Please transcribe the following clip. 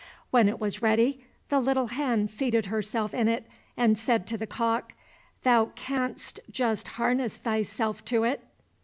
When it was ready, the little hen seated herself in it and said to the cock, "Thou canst just harness thyself to it."